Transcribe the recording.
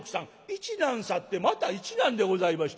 一難去ってまた一難でございましてね。